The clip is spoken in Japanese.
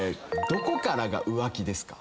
どこから浮気ですか？